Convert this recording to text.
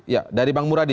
ya dari bang muradi